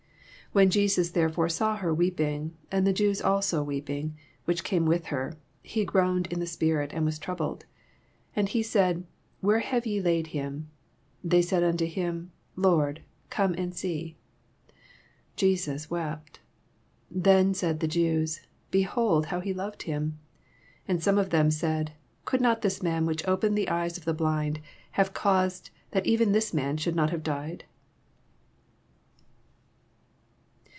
33 When Jesns therefore saw her weeping, and the Jews also weeping, which came with her, he groaned in the spirit, and was troubled. 34 And said. Where have ye laid him 7 They said unto him, Lord, oome and see. 35 Jesus wept. 36 Then said the Jews, Behold how he loved him ! 37 And some of them said. Could not this man, which opened the eyes of the blind, have caused that even this mao should not have died